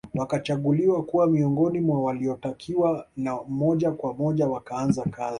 Wakachaguliwa kuwa miongoni mwa waliotakiwa na moja kwa moja wakaanza kazi